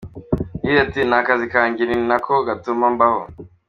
Yagize ati “Ni akazi kanjye ni na ko gatuma mbaho.